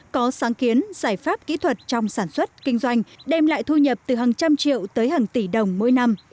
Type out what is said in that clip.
có sáng kiến giải pháp kỹ thuật trong sản xuất kinh doanh đem lại thu nhập từ hàng trăm triệu tới hàng tỷ đồng mỗi năm